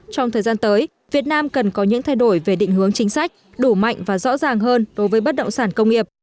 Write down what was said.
trong thời gian tới việt nam cần có những thay đổi về định hướng chính sách đủ mạnh và rõ ràng hơn đối với bất động sản công nghiệp